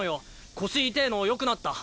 腰痛ぇのよくなった？